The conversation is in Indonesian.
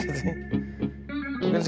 jangan lupa subscribe